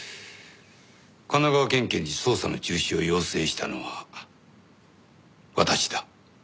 神奈川県警に捜査の中止を要請したのは私だ。